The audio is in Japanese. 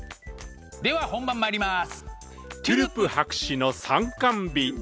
では本番まいります。